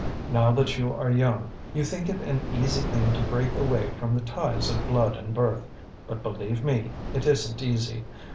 Now that you are young, you think it an easy thing to break away from the ties of blood and birth; but believe me, it isn't easy.